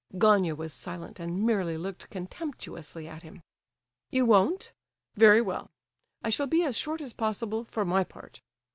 Gania was silent and merely looked contemptuously at him. "You won't? Very well. I shall be as short as possible, for my part.